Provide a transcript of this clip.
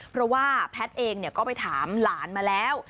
เพราะว่าแพทย์เองก็ไปถามหลานมาแล้ว